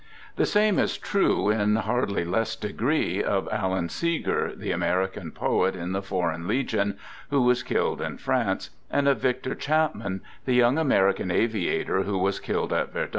The same is true, in hardly less degree, of Alan Seeger, the American poet in the Foreign Legion who was killed in France, and of Victor Chapman, the young American aviator who was \ killed at Verdun.